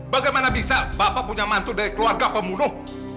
bagaimana bisa bapak punya mantu dari keluarga pembunuh